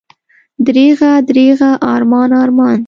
دریغه، دریغه، ارمان، ارمان!